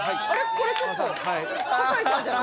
これちょっと坂井さんじゃ？